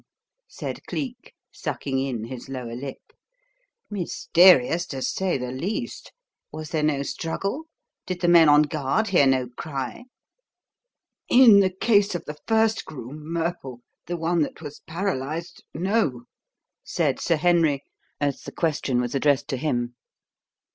said Cleek, sucking in his lower lip. "Mysterious, to say the least. Was there no struggle? Did the men on guard hear no cry?" "In the case of the first groom, Murple, the one that was paralysed no," said Sir Henry, as the question was addressed to him.